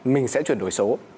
mình sẽ chuyển đổi số